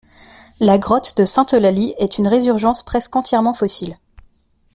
La grotte de Sainte-Eulalie est une résurgence presque entièrement fossile.